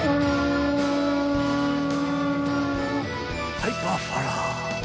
はいパッファラー。